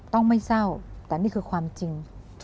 ต้องไม่เศร้าแต่นี่คือความจริง